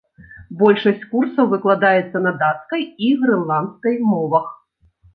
Большасць курсаў выкладаецца на дацкай і грэнландскай мовах.